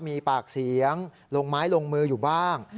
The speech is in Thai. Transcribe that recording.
มีปากเสียงลงไม้ลงมืออยู่บ้าง